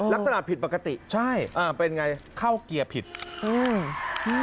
ลักษณะผิดปกติใช่อ่าเป็นไงเข้าเกียร์ผิดอืม